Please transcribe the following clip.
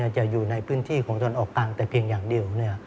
จะอยู่ในพื้นที่ของตะวันออกกลางแต่เพียงอย่างเดียว